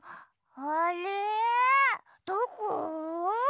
あれどこ？